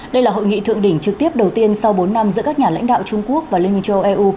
đây là hội nghị thượng đỉnh trực tiếp đầu tiên sau bốn năm giữa các nhà lãnh đạo trung quốc và liên minh châu âu